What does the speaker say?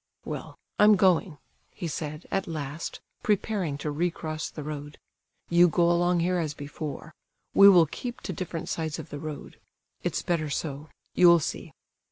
"Well, I'm going," he said, at last, preparing to recross the road. "You go along here as before; we will keep to different sides of the road; it's better so, you'll see."